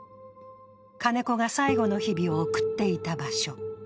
金子が最後の日々を送っていた場所。